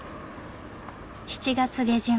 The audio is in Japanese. ７月下旬。